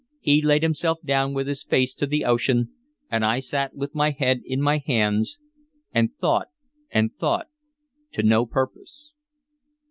He laid himself down with his face to the ocean, and I sat with my head in my hands, and thought and thought, to no purpose.